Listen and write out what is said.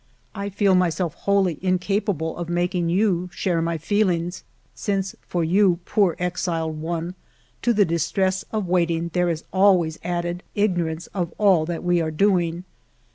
I feel myself wholly incapable of making you share my feelings, since for you, poor exiled one, to the distress of wait ing there is always added ignorance of all that we are doing.